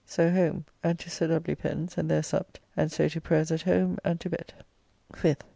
So home and to Sir W. Pen's and there supped, and so to prayers at home and to bed. 5th.